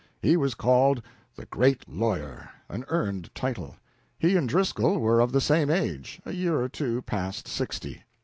He was called "the great lawyer" an earned title. He and Driscoll were of the same age a year or two past sixty.